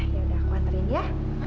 yaudah aku anterin ya